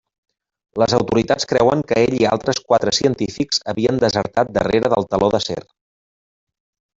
Les autoritats creuen que ell i altres quatre científics havien desertat darrere del Teló d'acer.